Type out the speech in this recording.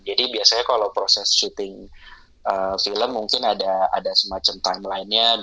jadi biasanya kalau proses syuting film mungkin ada semacam timeline nya